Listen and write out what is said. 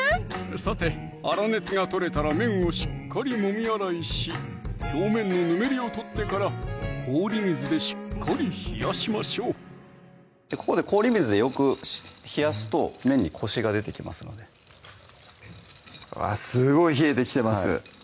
さて粗熱が取れたら麺をしっかりもみ洗いし表面のぬめりを取ってから氷水でしっかり冷やしましょうここで氷水でよく冷やすと麺にコシが出てきますのですごい冷えてきてます